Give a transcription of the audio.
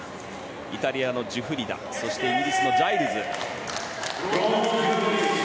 イタリアのジュフリダイギリスのジャイルズ。